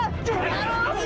betta bukan hantu